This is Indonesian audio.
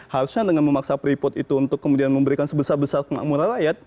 harusnya dengan memaksa freeport itu untuk kemudian memberikan sebesar besar kemakmuran rakyat